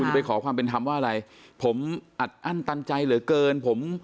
จะไปขอความเป็นธรรมว่าอะไรผมอัดอั้นตันใจเหลือเกินผม